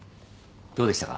どうでしたか？